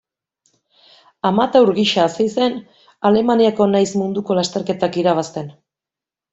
Amateur gisa hasi zen Alemaniako nahiz munduko lasterketak irabazten.